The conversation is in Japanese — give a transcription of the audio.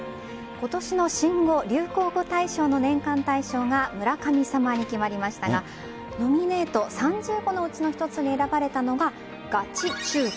今年の新語・流行語大賞の年間大賞が村神様に決まりましたがノミネート３０語のうちの一つに選ばれたのがガチ中華。